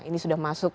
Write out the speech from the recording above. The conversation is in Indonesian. ini sudah masuk